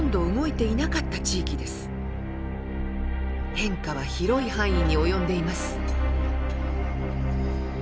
変化は広い範囲に及んでいます。